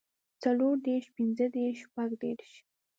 څلور دېرش پنځۀ دېرش شپږ دېرش